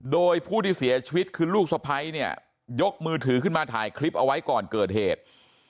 โดยผู้ที่เสียชีวิตคือลูกสะพ้ายเนี่ยยกมือถือขึ้นมาถ่ายคลิปเอาไว้ก่อนเกิดเหตุ